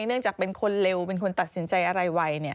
เนื่องจากเป็นคนเร็วเป็นคนตัดสินใจอะไรไว